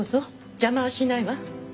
邪魔はしないわ。